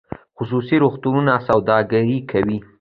خصوصي روغتونونه سوداګري کوي